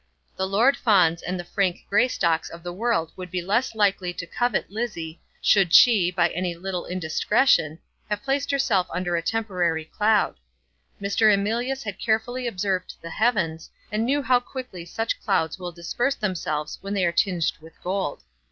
The Lord Fawns and the Frank Greystocks of the world would be less likely to covet Lizzie, should she, by any little indiscretion, have placed herself under a temporary cloud. Mr. Emilius had carefully observed the heavens, and knew how quickly such clouds will disperse themselves when they are tinged with gold.